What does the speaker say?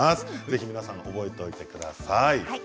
ぜひ皆さんも覚えておいてください。